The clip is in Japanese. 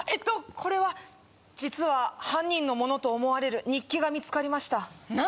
これは実は犯人のものと思われる日記が見つかりましたな